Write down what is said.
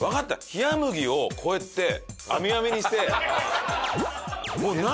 ひやむぎをこうやってアミアミにして何？